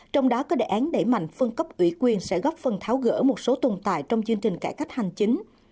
trong đó có đề án đẩy mạnh phân cấp ủy quyền sẽ góp phần tháo gỡ một số tồn tại trong chương trình cải cách hành chính